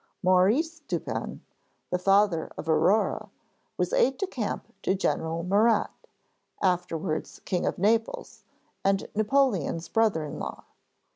Maurice Dupin, the father of Aurore, was aide de camp to General Murat, afterwards King of Naples and Napoleon's brother in law.